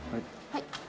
はい。